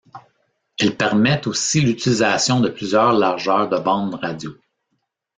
Elle permet aussi l'utilisation de plusieurs largeurs de bandes radio.